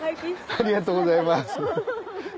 ありがとうございます。